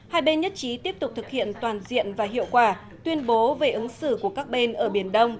hai bên nhất trí tiếp tục thực hiện toàn diện và hiệu quả tuyên bố về ứng xử của các bên ở biển đông